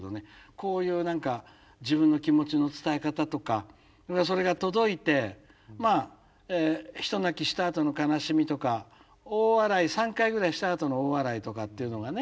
こういう何か自分の気持ちの伝え方とかそれが届いてまあひと泣きしたあとの悲しみとか大笑い３回ぐらいしたあとの大笑いとかっていうのがね